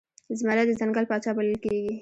زمری د ځنګل پاچا بلل کیږي